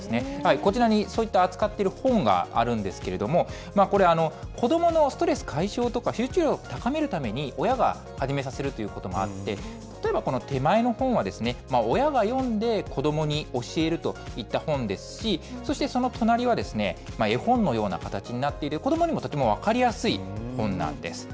こちらにそういった扱っている本があるんですけれども、これ、子どものストレス解消とか、集中力を高めるために親が始めさせるということもあって、例えばこの手前の本は、親が読んで子どもに教えるといった本ですし、そして、その隣はですね、絵本のような形になっている、子どもにもとても分かりやすい本なんです。